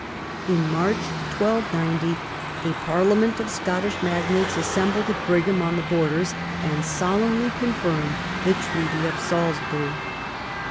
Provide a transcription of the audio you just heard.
In March 1290 a parliament of Scottish magnates assembled at Brigham on the Borders and solemnly confirmed the Treaty of Salisbury.